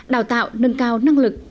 đào tạo nâng cao năng lực